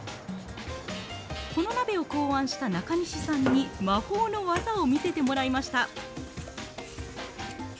この鍋を考案した中西さんに、魔法の技を見せてもらいました。